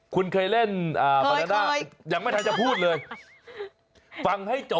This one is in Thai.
คุณเคยเล่น